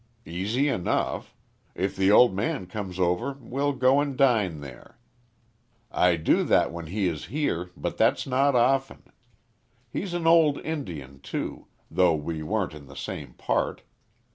"Easy enough. If the old man comes over we'll go and dine there. I do that when he is here, but that's not often. He's an old Indian too, though we weren't in the same part.